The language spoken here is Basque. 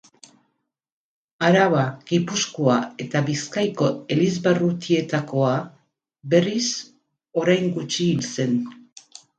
Araba, Gipuzkoa eta Bizkaiko elizbarrutietakoa, berriz, orain gutxi hil zen.